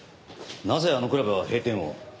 なぜあのクラブは閉店を？